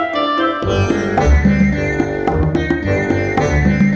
terus saya mau pergi lagi